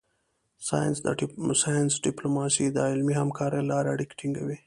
ساینس ډیپلوماسي د علمي همکاریو له لارې اړیکې ټینګوي